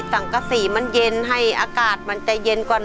สังกษีมันเย็นให้อากาศมันจะเย็นก่อน